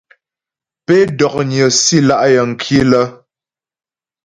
Pé dó'nyə́ si lá' yəŋ kilə́ ?